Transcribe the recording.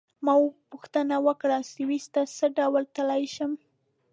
ما پوښتنه وکړه: سویس ته څه ډول تلای شم؟